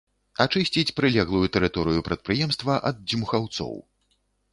Ачысціць прылеглую тэрыторыю прадпрыемства ад дзьмухаўцоў.